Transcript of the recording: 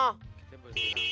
kita buat angkot